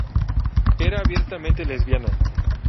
Era abiertamente lesbiana.